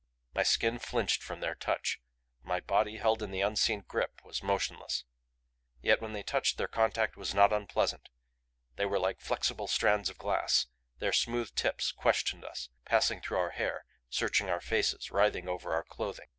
My skin flinched from their touch; my body, held in the unseen grip, was motionless. Yet when they touched their contact was not unpleasant. They were like flexible strands of glass; their smooth tips questioned us, passing through our hair, searching our faces, writhing over our clothing.